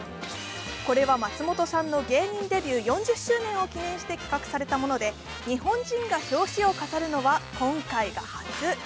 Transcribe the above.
これは松本さんの芸人デビュー４０周年を記念して企画されたもので、日本人が表紙を飾るのは今回が初。